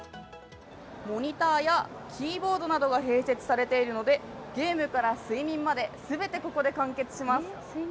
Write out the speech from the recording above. モニターやキーボードなどが併設されているのでゲームから睡眠まで、全てここで完結します。